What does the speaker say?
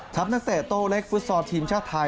นักเตะโต้เล็กฟุตซอลทีมชาติไทย